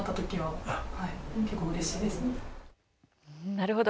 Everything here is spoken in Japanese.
なるほど。